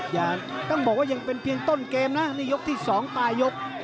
อย่าต้องบอกว่ายังเป็นเพียงต้นเกมนะนี่ยกที่๒ปลายยก